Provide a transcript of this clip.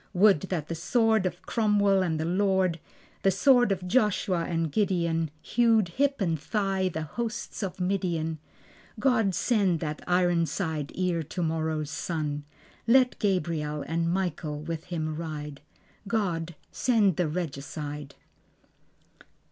Would that the sword of Cromwell and the Lord, The sword of Joshua and Gideon, Hewed hip and thigh the hosts of Midian. God send that ironside ere tomorrow's sun; Let Gabriel and Michael with him ride. God send the Regicide.